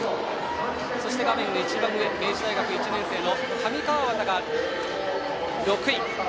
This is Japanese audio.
そして明治大学１年生の上川畑が６位。